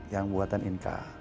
yang buatan inka